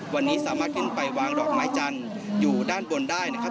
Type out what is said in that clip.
วันนี้สามารถขึ้นไปวางดอกไม้จันทร์อยู่ด้านบนได้นะครับ